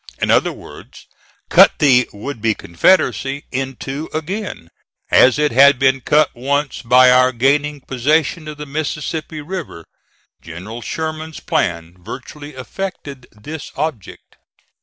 In other words, cut the would be Confederacy in two again, as it had been cut once by our gaining possession of the Mississippi River. General Sherman's plan virtually effected this object.